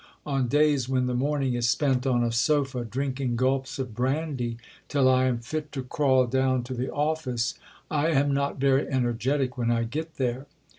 On days when the morning is spent on a sofa drinking gulps of brandy till I am fit to crawl down to the Office, I am not very energetic when I get there.